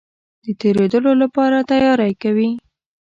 د تېرېدلو لپاره تیاری کوي.